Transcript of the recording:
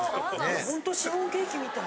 ほんとシフォンケーキみたい。